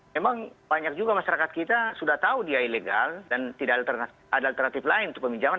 memang banyak juga masyarakat kita sudah tahu dia ilegal dan tidak ada alternatif lain untuk peminjaman